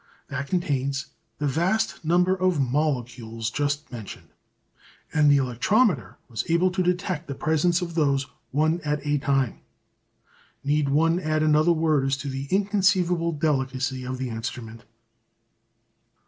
That contains the vast number of molecules just mentioned. And the electrometer was able to detect the presence of those one at a time. Need one add another word as to the inconceivable delicacy of the instrument.